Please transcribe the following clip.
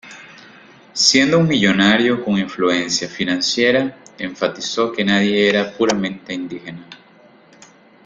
Siendo un millonario con influencia financiera, enfatizó que nadie era puramente indígena.